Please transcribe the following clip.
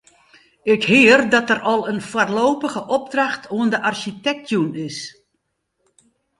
Ik hear dat der al in foarlopige opdracht oan de arsjitekt jûn is.